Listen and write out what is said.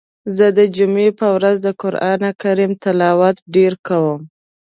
زه د جمعی په ورځ د قرآن کریم تلاوت ډیر کوم.